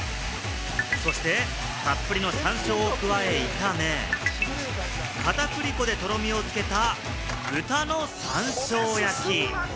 そしてたっぷりの山椒を加え炒め、かたくり粉でとろみをつけた豚の山椒焼き。